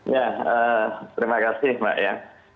ya terima kasih mbak ya